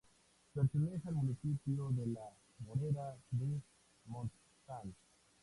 Pertenece al municipio de La Morera de Montsant.